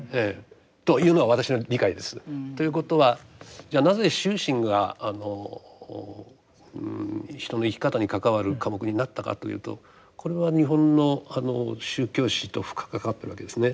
というのが今私の理解です。ということはじゃあなぜ修身が人の生き方に関わる科目になったかというとこれは日本の宗教史と深く関わってるわけですね。